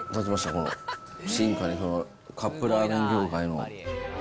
この進化に、カップラーメン業界の。